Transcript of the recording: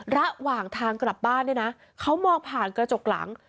ระหว่างทางกลับบ้านเนี่ยนะเขามองผ่านกระจกหลัง